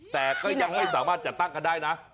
แต่ก็ยังไม่สามารถจัดตั้งกันได้นะ